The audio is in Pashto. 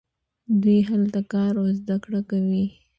دوی هلته کار او زده کړه کوي.